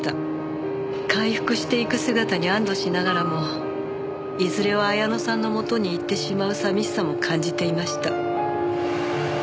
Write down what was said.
回復していく姿に安堵しながらもいずれは彩乃さんの元に行ってしまう寂しさも感じていました。